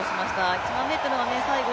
１００００ｍの最後